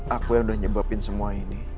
aku yang udah nyebabin semua ini